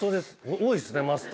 多いですねマスト。